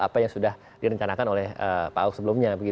apa yang sudah direncanakan oleh pak ahok sebelumnya